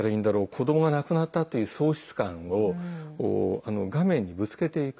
子どもが亡くなったという喪失感を画面にぶつけていく。